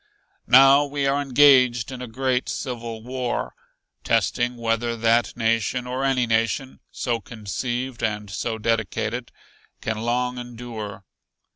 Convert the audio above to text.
"Now we are engaged in a great civil war, testing whether that nation or any nation, so conceived and so dedicated, can long endure.